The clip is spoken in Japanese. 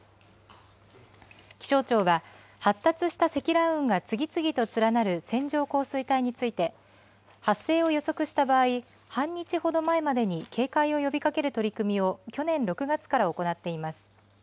気象庁は、発達した積乱雲が次々と連なる線状降水帯について、発生を予測した場合、半日ほど前までに警戒を呼びかける取り組みを、去年６月から行っています。